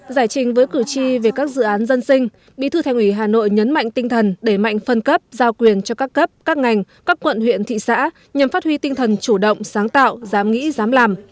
giải trình với cử tri về các dự án dân sinh bí thư thành ủy hà nội nhấn mạnh tinh thần để mạnh phân cấp giao quyền cho các cấp các ngành các quận huyện thị xã nhằm phát huy tinh thần chủ động sáng tạo dám nghĩ dám làm